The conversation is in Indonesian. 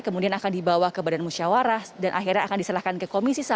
kemudian akan dibawa ke badan musyawarah dan akhirnya akan diserahkan ke komisi satu